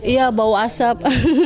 iya bau asap